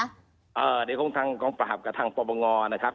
เดี๋ยวคงทางกองปราบกับทางปรบงนะครับ